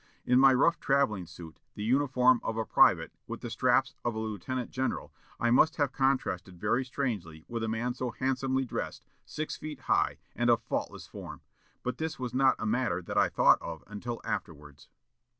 In my rough travelling suit, the uniform of a private, with the straps of a lieutenant general, I must have contrasted very strangely with a man so handsomely dressed, six feet high, and of faultless form. But this was not a matter that I thought of until afterwards."